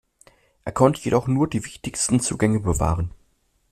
Er konnte jedoch nur die wichtigsten Zugänge bewahren.